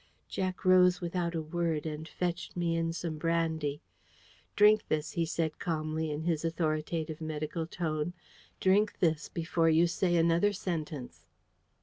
Jack rose without a word, and fetched me in some brandy. "Drink this," he said calmly, in his authoritative medical tone; "drink this before you say another sentence."